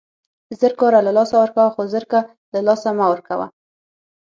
زر کاره له لاسه ورکوه، خو زرکه له له لاسه مه ورکوه!